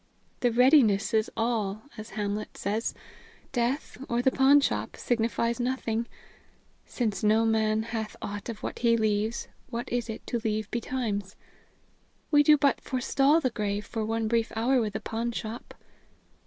'The readiness is all,' as Hamlet says. Death, or the pawnshop, signifies nothing. 'Since no man has aught of what he leaves, what is it to leave betimes?' We do but forestall the grave for one brief hour with the pawnshop."